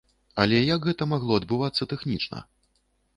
Але як гэта магло адбывацца тэхнічна?